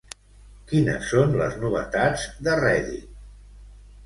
Quines són les novetats de Reddit?